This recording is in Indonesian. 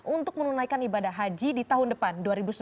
untuk menunaikan ibadah haji di tahun depan dua ribu sembilan belas